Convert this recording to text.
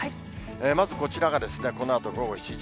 まずこちらが、このあと午後７時。